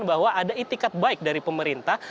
bahwa ada itikat baik dari pemerintah